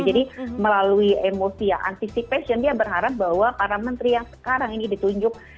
jadi melalui emosi ya anticipation dia berharap bahwa para menteri yang sekarang ini ditunjuk